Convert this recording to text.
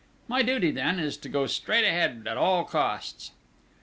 My duty, then, is to go straight ahead at all costs...."